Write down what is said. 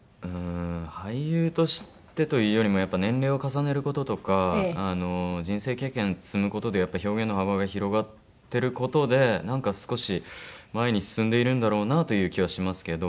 俳優としてというよりもやっぱ年齢を重ねる事とか人生経験積む事で表現の幅が広がってる事で少し前に進んでいるんだろうなという気はしますけど。